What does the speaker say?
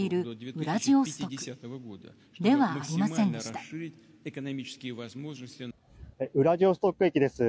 ウラジオストク駅です。